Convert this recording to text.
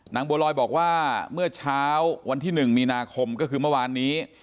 บัวลอยบอกว่าเมื่อเช้าวันที่๑มีนาคมก็คือเมื่อวานนี้